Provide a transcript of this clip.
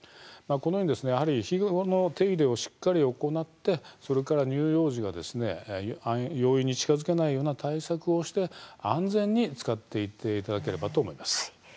このように、日頃の手入れをしっかり行ってそれから乳幼児が容易に近づけないような対策をして安全に使っていっていただければと思い